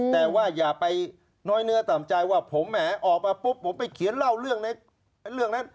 แต่ว่าอย่าไปน้อยเนื้อต่ำใจว่าผมแหมออกมาปุ๊บผมไปเขียนเล่าเรื่องในเรื่องนั้น